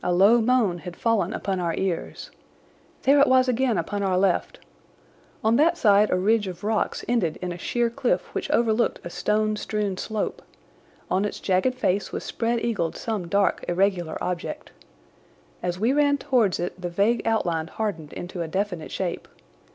A low moan had fallen upon our ears. There it was again upon our left! On that side a ridge of rocks ended in a sheer cliff which overlooked a stone strewn slope. On its jagged face was spread eagled some dark, irregular object. As we ran towards it the vague outline hardened into a definite shape.